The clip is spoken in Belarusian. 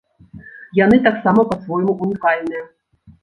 Яны таксама па-свойму ўнікальныя.